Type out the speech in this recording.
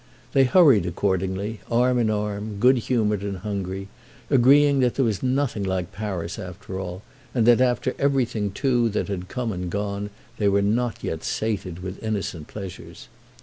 They hurried accordingly, arm in arm, good humoured and hungry, agreeing that there was nothing like Paris after all and that after everything too that had come and gone they were not yet sated with innocent pleasures.